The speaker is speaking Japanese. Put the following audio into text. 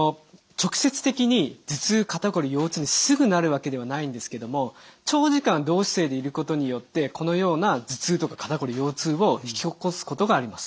直接的に頭痛肩こり腰痛にすぐなるわけではないんですけども長時間同姿勢でいることによってこのような頭痛とか肩こり腰痛を引き起こすことがあります。